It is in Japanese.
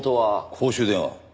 公衆電話。